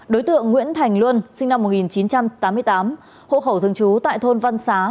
đối tượng nguyễn thành luân sinh năm một nghìn chín trăm tám mươi tám hộ khẩu thường trú tại thôn văn xá